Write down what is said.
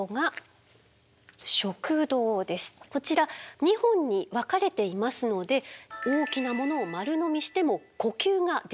こちら２本に分かれていますので大きなものを丸のみしても呼吸ができるようになっています。